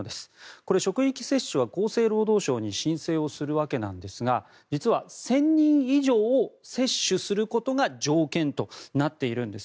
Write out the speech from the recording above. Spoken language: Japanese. これ、職域接種は厚生労働省に申請をするわけですが実は１０００人以上接種することが条件となっているんです。